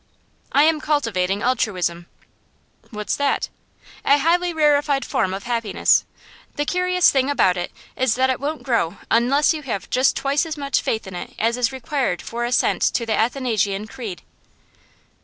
I am cultivating altruism.' 'What's that?' 'A highly rarefied form of happiness. The curious thing about it is that it won't grow unless you have just twice as much faith in it as is required for assent to the Athanasian Creed.